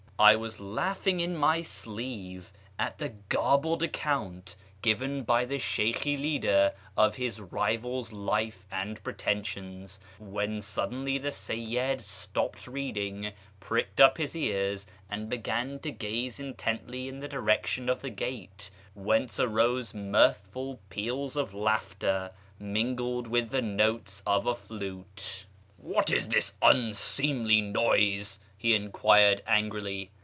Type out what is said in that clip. I was laughing in my sleeve at the garbled account given by the Sheykhi leader of his rival's life and pretensions, when suddenly the Seyyid stopped reading, pricked up his ears, and began to gaze intently in the direction of the gate, whence arose mirthful peals of laughter, mingled with the notes of a flute. 5IO A YEAR AMONGST THE PERSIANS " What is this unseemly noise ?" he encjuired angrily.